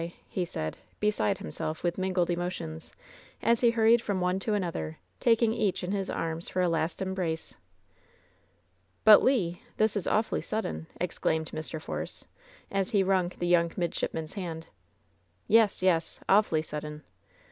he said, beside himself with mingled emotions, as he hur ried from one to another, taking each in his arms for a last embrace. "But, Le — ^this is awfully sudden!" exclaimed Mr. Force, as he wrung the young midshipman's hand. "Yes I yes ! awfully sudden